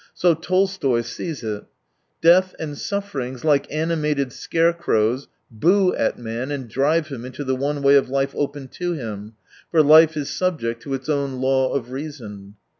So Tolstoy sees it. " Death and sufferings, like ani mated scarecrows, boo at man and drive him into the one way of life open to him : for life is subject to its own law of reason."